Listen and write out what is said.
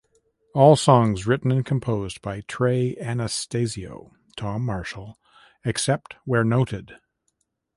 All songs written and composed by Trey Anastasio, Tom Marshall, except where noted.